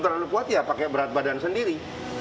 terlalu kuat ya pakai berat badan sendiri